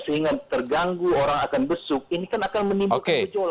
sehingga terganggu orang akan besuk ini kan akan menimbulkan kecolak di dalam